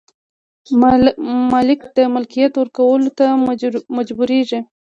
مالک د ملکیت ورکولو ته مجبوریږي.